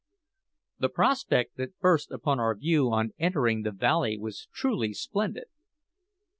The prospect that burst upon our view on entering the valley was truly splendid.